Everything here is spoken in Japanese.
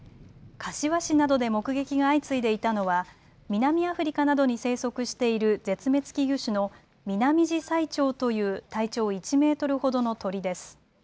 柏市などで目撃が相次いでいたのは南アフリカなどに生息している絶滅危惧種のミナミジサイチョウという体長１メートルほどの鳥です。